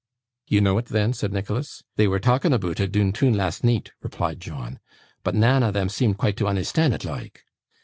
'You know it then?' said Nicholas. 'They were talking aboot it, doon toon, last neeght,' replied John, 'but neane on 'em seemed quite to un'erstan' it, loike.